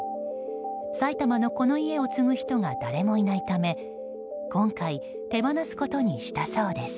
埼玉のこの家を継ぐ人が誰もいないため今回、手放すことにしたそうです。